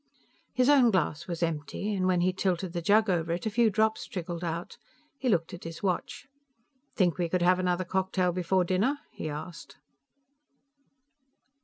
His own glass was empty, and when he tilted the jug over it, a few drops trickled out. He looked at his watch. "Think we could have another cocktail before dinner?" he asked.